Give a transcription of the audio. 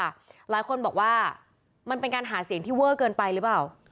หลายคนบอกว่ามันเป็นการหาเสียงที่เวอร์เกินไปหรือเปล่า